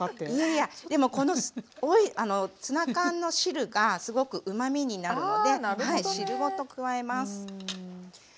いやいやでもこのツナ缶の汁がすごくうまみになるので汁ごと加えます。